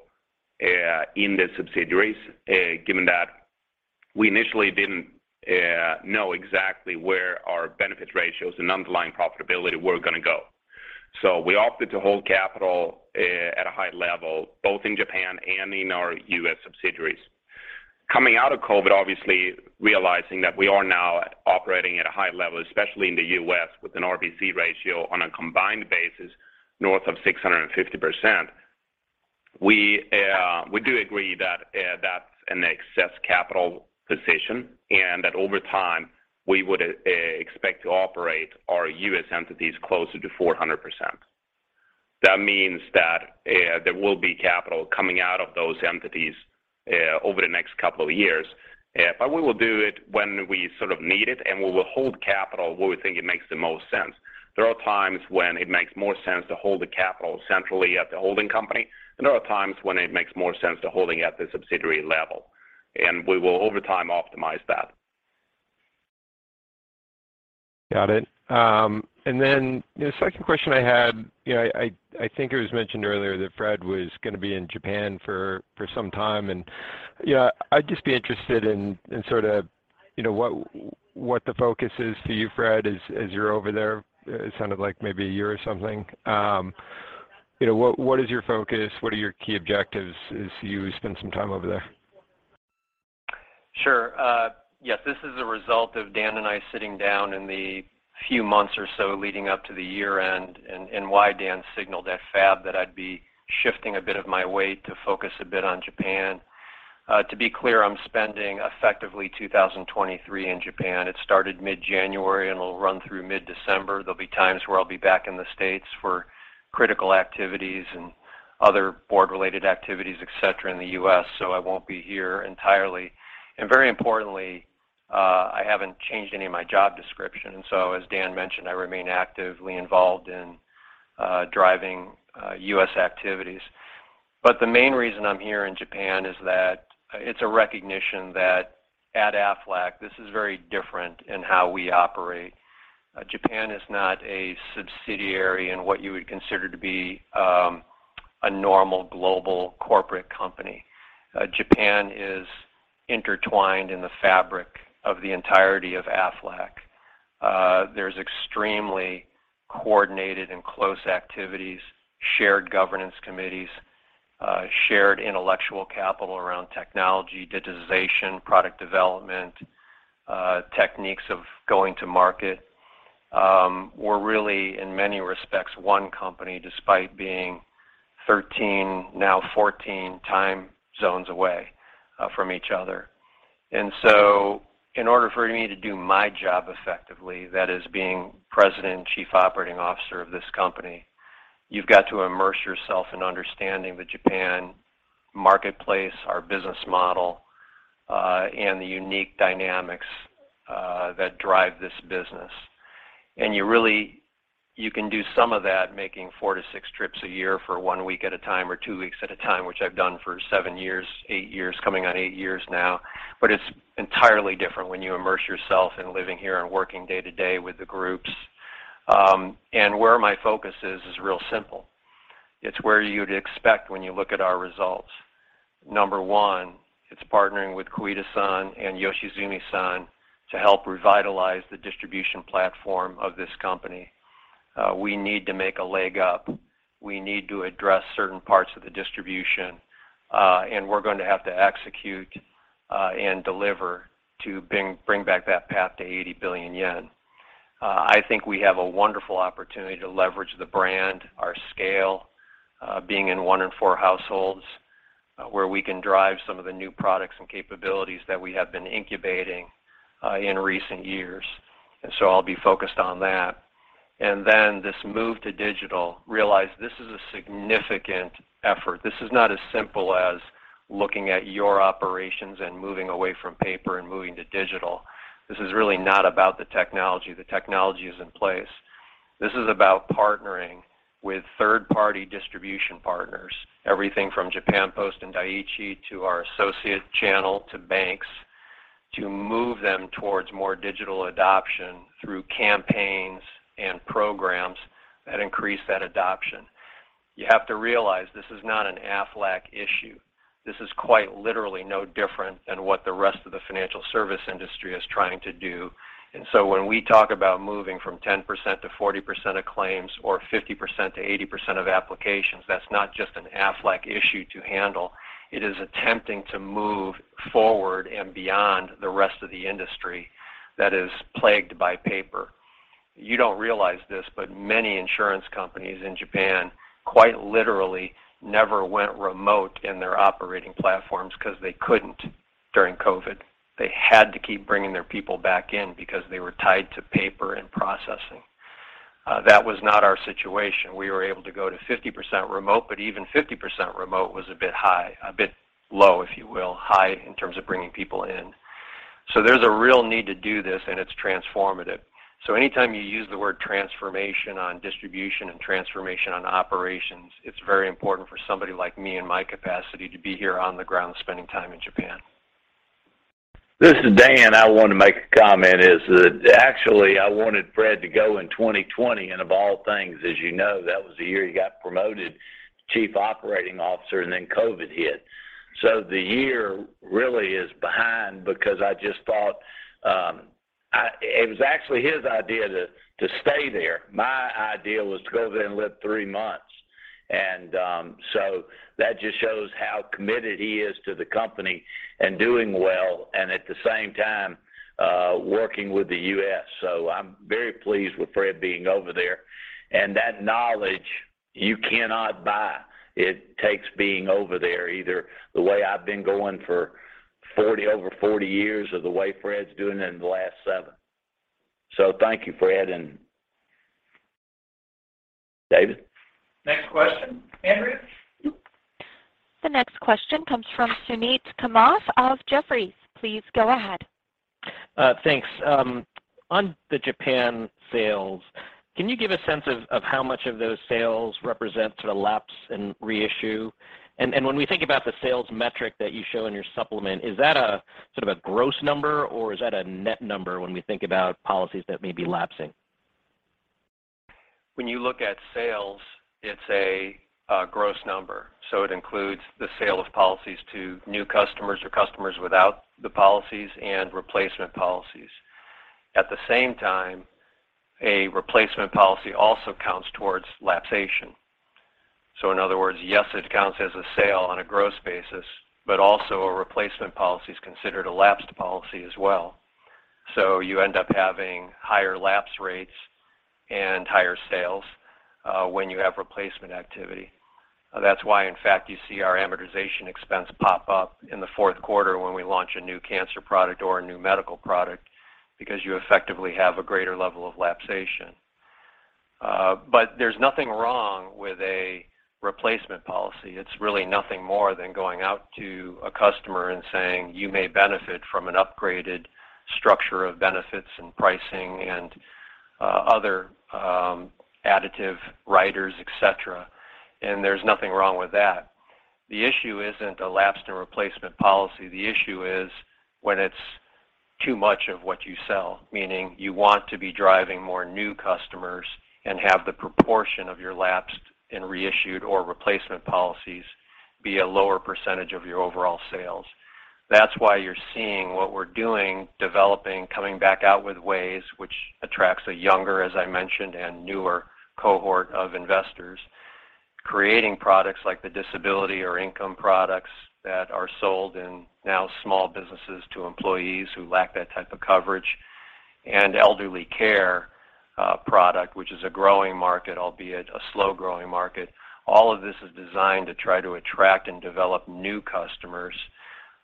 in the subsidiaries, given that we initially didn't know exactly where our benefits ratios and underlying profitability were gonna go. We opted to hold capital at a high level, both in Japan and in our U.S. subsidiaries. Coming out of COVID, obviously realizing that we are now operating at a high level, especially in the U.S., with an RBC ratio on a combined basis north of 650%, we do agree that that's an excess capital position and that over time we would expect to operate our U.S. entities closer to 400%. That means that there will be capital coming out of those entities over the next couple of years. we will do it when we sort of need it, and we will hold capital where we think it makes the most sense. There are times when it makes more sense to hold the capital centrally at the holding company, and there are times when it makes more sense to holding at the subsidiary level. we will over time optimize that. Got it. The second question I had, you know, I think it was mentioned earlier that Fred was gonna be in Japan for some time, and, you know, I'd just be interested in sort of, you know, what the focus is for you, Fred, as you're over there. It sounded like maybe a year or something. You know, what is your focus? What are your key objectives as you spend some time over there? Yes, this is a result of Dan Amos and I sitting down in the few months or so leading up to the year-end, and why Dan Amos signaled at FAB that I'd be shifting a bit of my weight to focus a bit on Japan. To be clear, I'm spending effectively 2023 in Japan. It started mid-January, and it'll run through mid-December. There'll be times where I'll be back in the States for critical activities and other board-related activities, et cetera, in the U.S., I won't be here entirely. Very importantly, I haven't changed any of my job description. As Dan Amos mentioned, I remain actively involved in driving U.S. activities. The main reason I'm here in Japan is that it's a recognition that at Aflac, this is very different in how we operate. Japan is not a subsidiary in what you would consider to be a normal global corporate company. Japan is intertwined in the fabric of the entirety of Aflac. There's extremely coordinated and close activities, shared governance committees, shared intellectual capital around technology, digitization, product development, techniques of going to market. We're really, in many respects, one company despite being 13, now 14 time zones away from each other. In order for me to do my job effectively, that is being President and Chief Operating Officer of this company, you've got to immerse yourself in understanding the Japan marketplace, our business model, and the unique dynamics that drive this business. You can do some of that making four to six trips a year for one week at a time or two weeks at a time, which I've done for seven years, eight years, coming on eight years now. It's entirely different when you immerse yourself in living here and working day to day with the groups. Where my focus is real simple. It's where you'd expect when you look at our results. Number one, it's partnering with Koide-san and Yoshizumi-san to help revitalize the distribution platform of this company. We need to make a leg up. We need to address certain parts of the distribution, and we're going to have to execute and deliver to bring back that path to 80 billion yen. I think we have a wonderful opportunity to leverage the brand, our scale, being in one in four households, where we can drive some of the new products and capabilities that we have been incubating in recent years. I'll be focused on that. This move to digital, realize this is a significant effort. This is not as simple as looking at your operations and moving away from paper and moving to digital. This is really not about the technology. The technology is in place. This is about partnering with third-party distribution partners, everything from Japan Post and Dai-ichi to our associate channel to banks, to move them towards more digital adoption through campaigns and programs that increase that adoption. You have to realize this is not an Aflac issue. This is quite literally no different than what the rest of the financial service industry is trying to do. When we talk about moving from 10%-40% of claims or 50%-80% of applications, that's not just an Aflac issue to handle. It is attempting to move forward and beyond the rest of the industry that is plagued by paper. You don't realize this, but many insurance companies in Japan quite literally never went remote in their operating platforms 'cause they couldn't during COVID. They had to keep bringing their people back in because they were tied to paper and processing. That was not our situation. We were able to go to 50% remote, but even 50% remote was a bit high, a bit low, if you will. High in terms of bringing people in. There's a real need to do this, and it's transformative. Anytime you use the word transformation on distribution and transformation on operations, it's very important for somebody like me in my capacity to be here on the ground spending time in Japan. This is Dan. I want to make a comment is that actually I wanted Fred to go in 2020, and of all things, as you know, that was the year he got promoted to Chief Operating Officer, and then COVID hit. The year really is behind because I just thought. It was actually his idea to stay there. My idea was to go there and live three months. That just shows how committed he is to the company and doing well and at the same time, working with the U.S. I'm very pleased with Fred being over there. That knowledge you cannot buy. It takes being over there either the way I've been going for 40, over 40 years or the way Fred's doing it in the last seven. Thank you, Fred and David. Next question. Andrea? The next question comes from Suneet Kamath of Jefferies. Please go ahead. Thanks. On the Japan sales, can you give a sense of how much of those sales represent sort of lapse and reissue? When we think about the sales metric that you show in your supplement, is that a sort of a gross number or is that a net number when we think about policies that may be lapsing? When you look at sales, it's a gross number. It includes the sale of policies to new customers or customers without the policies and replacement policies. At the same time, a replacement policy also counts towards lapsation. In other words, yes, it counts as a sale on a gross basis, but also a replacement policy is considered a lapsed policy as well. You end up having higher lapse rates and higher sales when you have replacement activity. That's why in fact, you see our amortization expense pop up in the fourth quarter when we launch a new cancer product or a new medical product because you effectively have a greater level of lapsation. There's nothing wrong with a replacement policy. It's really nothing more than going out to a customer and saying, "You may benefit from an upgraded structure of benefits and pricing and other additive riders, et cetera." There's nothing wrong with that. The issue isn't a lapsed and replacement policy. The issue is when it's too much of what you sell, meaning you want to be driving more new customers and have the proportion of your lapsed and reissued or replacement policies be a lower % of your overall sales. That's why you're seeing what we're doing, developing, coming back out with WAYS which attracts a younger, as I mentioned, and newer cohort of investors, creating products like the disability or income products that are sold in now small businesses to employees who lack that type of coverage and elderly care product, which is a growing market, albeit a slow-growing market. All of this is designed to try to attract and develop new customers,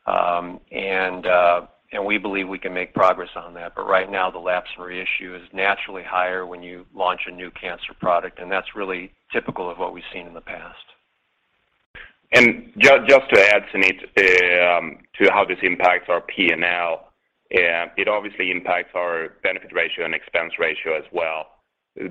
and we believe we can make progress on that. Right now, the lapse reissue is naturally higher when you launch a new cancer product, and that's really typical of what we've seen in the past. Just to add, Suneet, to how this impacts our P&L, it obviously impacts our benefit ratio and expense ratio as well.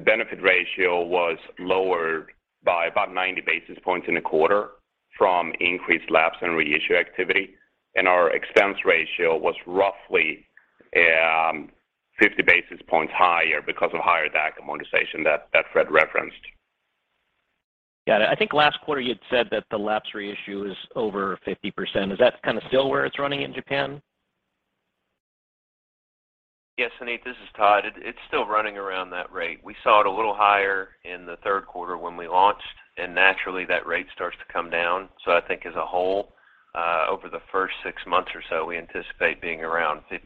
Benefit ratio was lowered by about 90 basis points in the quarter from increased lapse and reissue activity. Our expense ratio was roughly 50 basis points higher because of higher DAC amortization that Fred referenced. Got it. I think last quarter you had said that the lapse reissue is over 50%. Is that kind of still where it's running in Japan? Yes, Suneet, this is Todd. It's still running around that rate. We saw it a little higher in the third quarter when we launched. Naturally that rate starts to come down. I think as a whole, over the first six months or so, we anticipate being around 50%.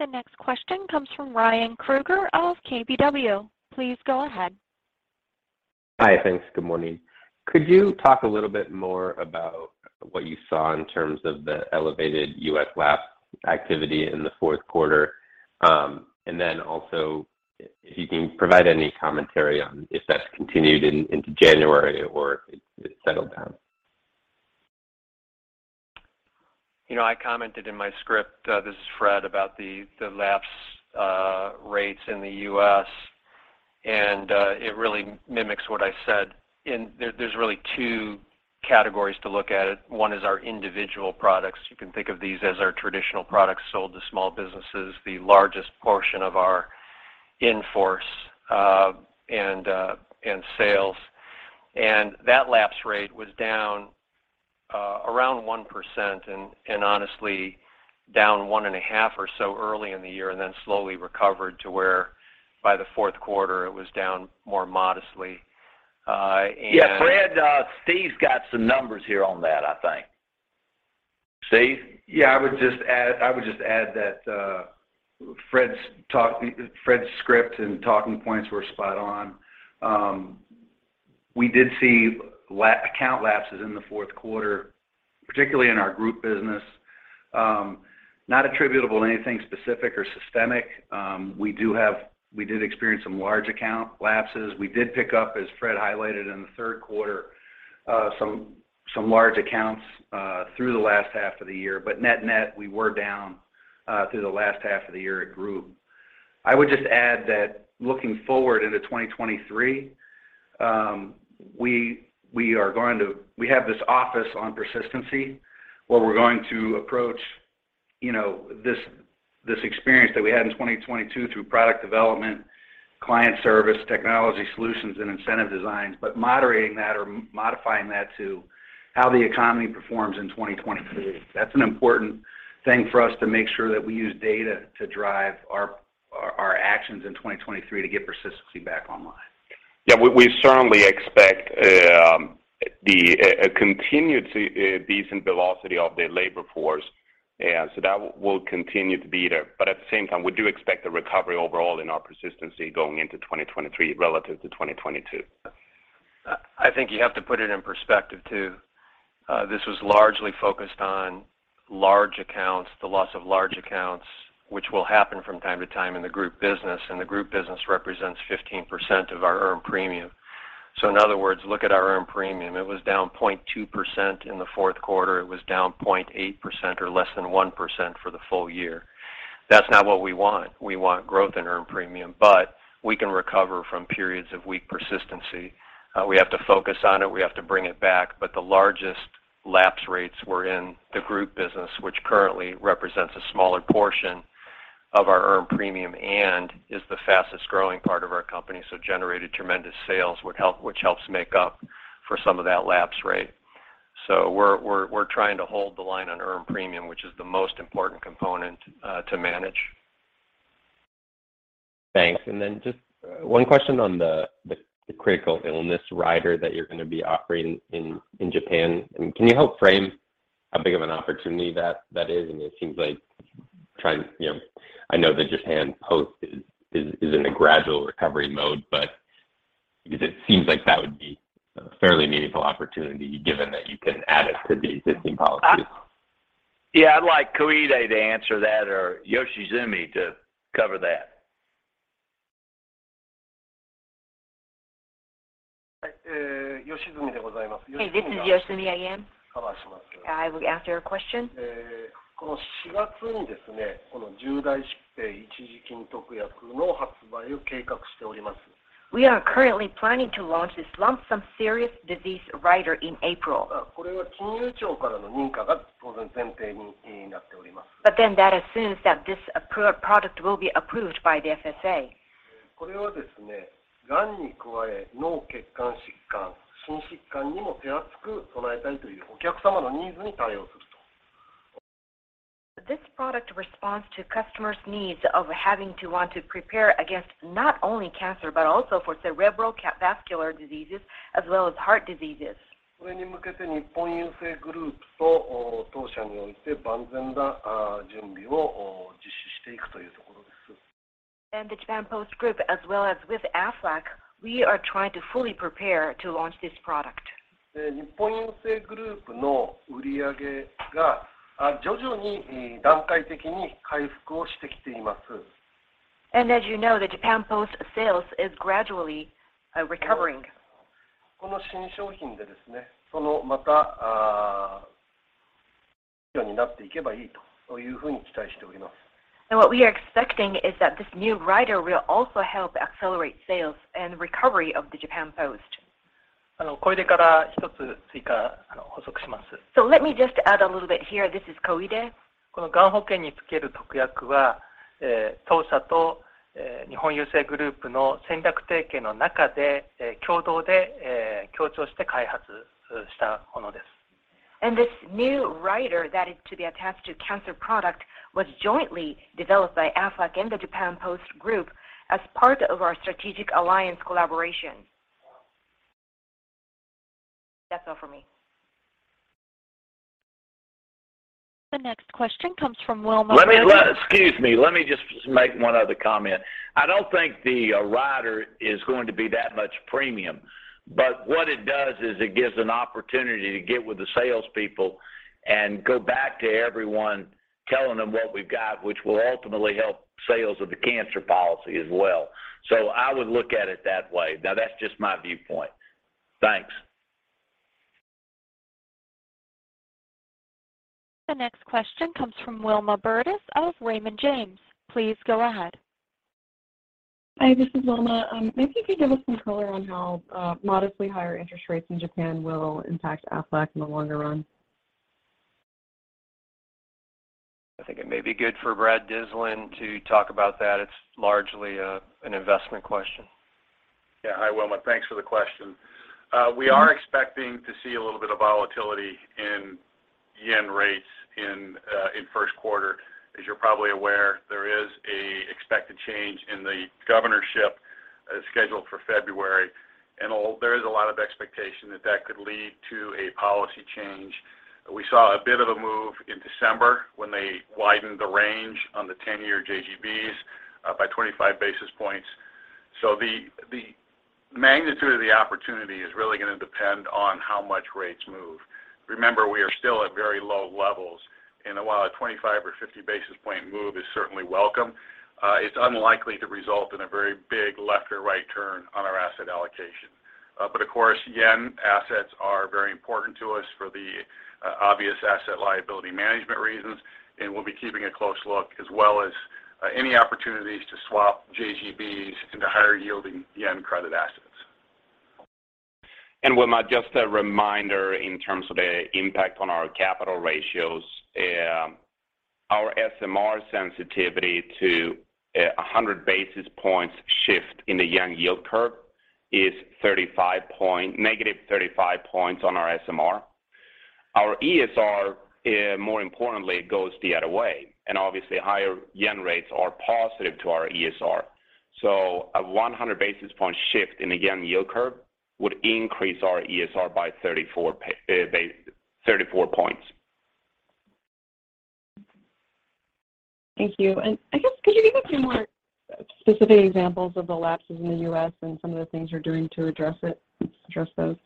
The next question comes from Ryan Krueger of KBW. Please go ahead. Hi. Thanks. Good morning. Could you talk a little bit more about what you saw in terms of the elevated U.S. lapse activity in the fourth quarter? Then also if you can provide any commentary on if that's continued into January or it settled down. You know, I commented in my script, this is Fred, about the lapse rates in the U.S. It really mimics what I said in there's really two categories to look at it. One is our individual products. You can think of these as our traditional products sold to small businesses, the largest portion of our in-force, and sales. That lapse rate was down around 1% and honestly down 1.5 or so early in the year and then slowly recovered to where by the fourth quarter it was down more modestly. Yeah, Fred, Steve's got some numbers here on that, I think. Steve? Yeah. I would just add that Fred's talk, Fred's script and talking points were spot on. We did see account lapses in the fourth quarter, particularly in our group business, not attributable to anything specific or systemic. We did experience some large account lapses. We did pick up, as Fred highlighted in the third quarter, some large accounts through the last half of the year. Net-net, we were down through the last half of the year at group. I would just add that looking forward into 2023, we have this office on persistency where we're going to approach You know, this experience that we had in 2022 through product development, client service, technology solutions, and incentive designs, but moderating that or modifying that to how the economy performs in 2023. That's an important thing for us to make sure that we use data to drive our actions in 2023 to get persistency back online. Yeah. We certainly expect decent velocity of the labor force, that will continue to be there. At the same time, we do expect a recovery overall in our persistency going into 2023 relative to 2022. I think you have to put it in perspective, too. This was largely focused on large accounts, the loss of large accounts, which will happen from time to time in the group business, and the group business represents 15% of our earned premium. In other words, look at our earned premium. It was down 0.2% in the fourth quarter. It was down 0.8% or less than 1% for the full year. That's not what we want. We want growth in earned premium. We can recover from periods of weak persistency. We have to focus on it. We have to bring it back, but the largest lapse rates were in the group business, which currently represents a smaller portion of our earned premium and is the fastest-growing part of our company, so generated tremendous sales which helps make up for some of that lapse rate. We're trying to hold the line on earned premium, which is the most important component, to manage. Thanks. Then just one question on the critical illness rider that you're gonna be operating in Japan. I mean, can you help frame how big of an opportunity that is? You know, I know that Japan Post is in a gradual recovery mode, but because it seems like that would be a fairly meaningful opportunity given that you can add it to the existing policies. Yeah, I'd like Koide to answer that or Yoshizumi to cover that. Hi. Yoshizumi, gozaimasu. This is Yoshizumi. I will answer your question. We are currently planning to launch this lump sum serious disease rider in April. That assumes that this product will be approved by the FSA. This product responds to customers' needs of having to want to prepare against not only cancer, but also for cerebrovascular diseases as well as heart diseases. The Japan Post Group, as well as with Aflac, we are trying to fully prepare to launch this product. The Japan Post sales is gradually recovering. What we are expecting is that this new rider will also help accelerate sales and recovery of the Japan Post. Let me just add a little bit here. This is Koide. This new rider that is to be attached to cancer product was jointly developed by Aflac and the Japan Post Group as part of our strategic alliance collaboration. That's all for me. The next question comes from Wilma Burdis. Excuse me. Let me just make one other comment. I don't think the rider is going to be that much premium, but what it does is it gives an opportunity to get with the salespeople and go back to everyone telling them what we've got, which will ultimately help sales of the cancer policy as well. I would look at it that way. That's just my viewpoint. Thanks. The next question comes from Wilma Burdis of Raymond James. Please go ahead. Hi, this is Wilma. Maybe you could give us some color on how modestly higher interest rates in Japan will impact Aflac in the longer run? I think it may be good for Brad Dyslin to talk about that. It's largely an investment question. Yeah. Hi, Wilma. Thanks for the question. We are expecting to see a little bit of volatility in yen rates in first quarter. As you're probably aware, there is a expected change in the governorship scheduled for February. There is a lot of expectation that that could lead to a policy change. We saw a bit of a move in December when they widened the range on the 10-year JGBs by 25 basis points. The magnitude of the opportunity is really gonna depend on how much rates move. Remember, we are still at very low levels. While a 25 or 50 basis point move is certainly welcome, it's unlikely to result in a very big left or right turn on our asset allocation. Of course, yen assets are very important to us for the obvious asset liability management reasons, and we'll be keeping a close look as well as any opportunities to swap JGBs into higher yielding yen credit assets. Wilma, just a reminder in terms of the impact on our capital ratios. Our SMR sensitivity to 100 basis points shift in the yen yield curve is -35 points on our SMR. Our ESR, more importantly, goes the other way, and obviously higher yen rates are positive to our ESR. A 100 basis point shift in the yen yield curve would increase our ESR by 34 points. Thank you. I guess could you give a few more specific examples of the lapses in the U.S. and some of the things you're doing to address it, address those?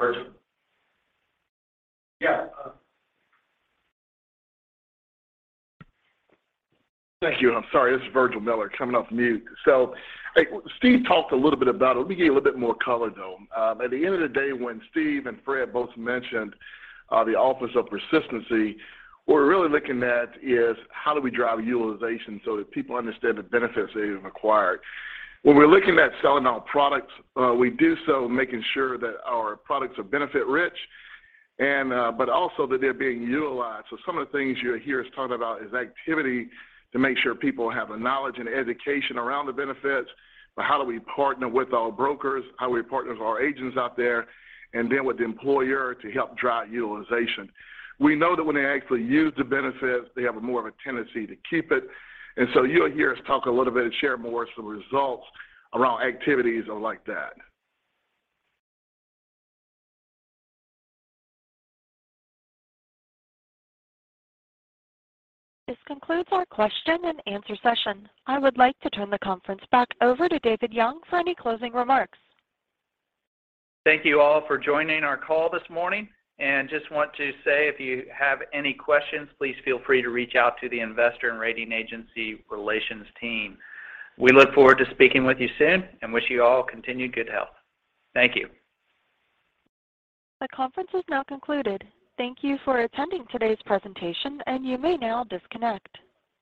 Virgil. Yeah, Thank you, and I'm sorry. This is Virgil Miller coming off mute. Hey, Steve talked a little bit about it. Let me give you a little bit more color, though. At the end of the day, when Steve and Fred both mentioned the Office of Persistency, what we're really looking at is how do we drive utilization so that people understand the benefits they've acquired. When we're looking at selling our products, we do so making sure that our products are benefit rich and but also that they're being utilized. Some of the things you'll hear us talk about is activity to make sure people have the knowledge and education around the benefits. How do we partner with our brokers? How do we partner with our agents out there and then with the employer to help drive utilization? We know that when they actually use the benefits, they have a more of a tendency to keep it. You'll hear us talk a little bit and share more some results around activities like that. This concludes our question and answer session. I would like to turn the conference back over to David Young for any closing remarks. Thank you all for joining our call this morning. Just want to say, if you have any questions, please feel free to reach out to the Investor and Rating Agency Relations team. We look forward to speaking with you soon and wish you all continued good health. Thank you. The conference is now concluded. Thank you for attending today's presentation. You may now disconnect.